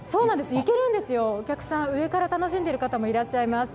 行けるんですよ、お客さん、上から楽しんでる方もいらっしゃいます。